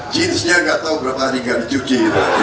jeansnya gak tau berapa hari gak dicuci